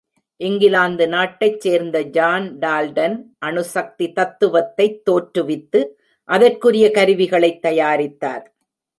இங்கிலாந்து நாட்டைச் சேர்ந்த John Dalton, அணு சக்தி தத்துவத்தைத் தோற்றுவித்து, அதற்குரிய கருவிகளைத் தயாரித்தார்.